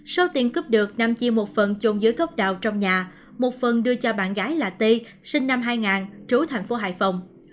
số tiền cướp được nam chia một phần chôn dưới gốc đào trong nhà một phần đưa cho bạn gái là t sinh năm hai nghìn trú thành phố hải phòng